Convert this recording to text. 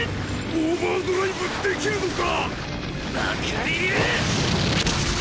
オーバードライブできるのか！